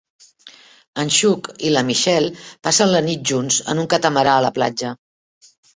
En Chuck i la Michelle passen la nit junts en un catamarà a la platja.